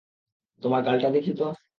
তোমার গালটা দেখি তো!